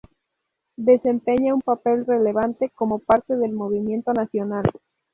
Desempeña un papel relevante como parte del Movimiento Nacional.